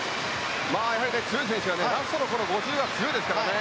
強い選手はラストの５０は強いですからね。